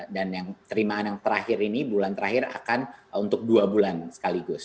yang terimaan yang terakhir ini bulan terakhir akan untuk dua bulan sekaligus